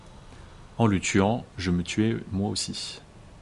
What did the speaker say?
En le tuant, je me tuais moi aussi!